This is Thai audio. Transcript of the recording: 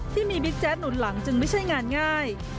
บิ๊กแจ๊ดหนุนหลังจึงไม่ใช่งานง่าย